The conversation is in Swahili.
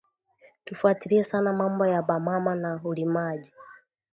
Tufwatiriye sana mambo ya ba mama na urimaji